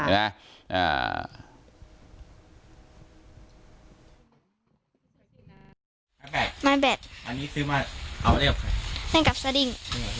น้องก็พาไปทำอะไรบ้าง